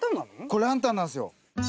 これランタンなんすよ。